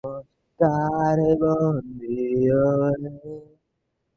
তুমি ছিলে গিনিপিগ।